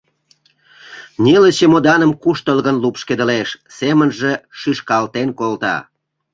Неле чемоданым куштылгын лупшкедылеш, семынже шӱшкалтем колта.